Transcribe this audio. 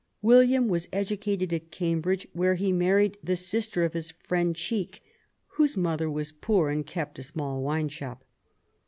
William was edu^ cated at Cambridge, where he married the sister of his friend Cheke, whose mother was poor and kept a small wine shop.